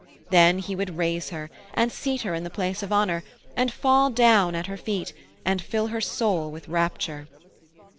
Then he would raise her, and seat her in the place of honour, and fall down at her feet, and fill her soul with rapture.